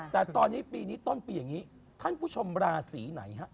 แต่ตอนนี้ปีนี้ต้นปีอย่างนี้ท่านผู้ชมราศีไหนฮะ